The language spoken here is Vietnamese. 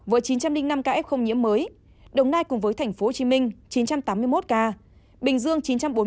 với chín trăm linh năm ca f không nhiễm mới đồng nai cùng với tp hcm chín trăm tám mươi một ca bình dương chín trăm bốn mươi ca